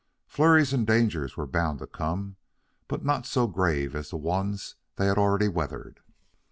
Flurries and dangers were bound to come, but not so grave as the ones they had already weathered.